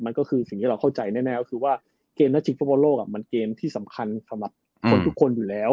มันก็คือสิ่งที่เราเข้าใจแน่ก็คือว่าเกมนัดชิงฟุตบอลโลกมันเกมที่สำคัญสำหรับคนทุกคนอยู่แล้ว